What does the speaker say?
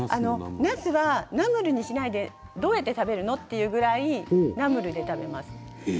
なすは、ナムルにしないでどうやって食べるの？と言われるぐらい食べますよ。